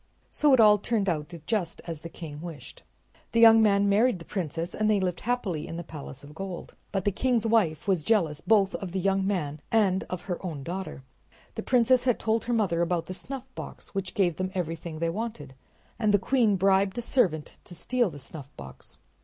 So it all turned out just as the king wished. The young man married the princess and they lived happily in the palace of gold. But the king's wife was jealous both of the young man and of her own daughter. The princess had told her mother about the snuffbox, which gave them everything they wanted, and the queen bribed a servant to steal the snuffbox.